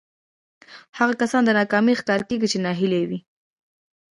هغه کسان د ناکامۍ ښکار کېږي چې ناهيلي وي.